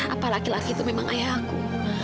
apa laki laki itu memang ayah aku